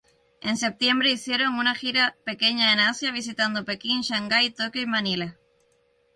En septiembre hicieron una gira pequeña en Asia, visitando Pekín, Shanghái, Tokio, y Manila.